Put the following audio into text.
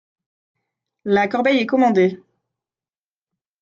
La corbeille est commandée…